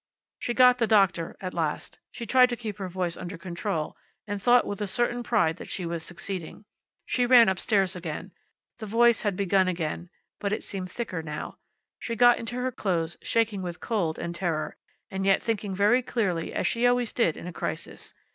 She got the doctor at last. She tried to keep her voice under control, and thought, with a certain pride, that she was succeeding. She ran up stairs again. The voice had begun again, but it seemed thicker now. She got into her clothes, shaking with cold and terror, and yet thinking very clearly, as she always did in a crisis.